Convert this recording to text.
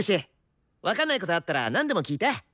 分かんないことあったらなんでも聞いて！